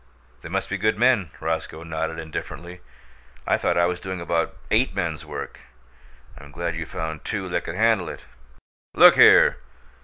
"They must be good men." Roscoe nodded indifferently. "I thought I was doing about eight men's work. I'm glad you found two that could handle it." "Look here!